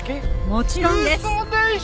もちろんです。